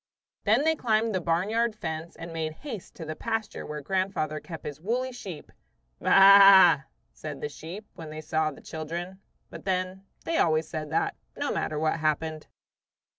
Then they climbed the barnyard fence and made haste to the pasture where grandfather kept his woolly sheep. "Baa a!" said the sheep when they saw the children; but then, they always said that, no matter what happened.